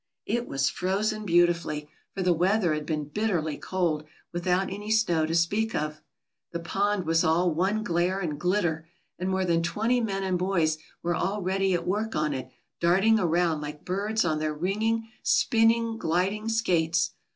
It was frozen beautifully, for the weather had been bitterly cold, without any snow to speak of. The pond was all one glare and glitter, and more than twenty men and boys were already at work on it, darting around, like birds on their ringing, spinning, gliding skates.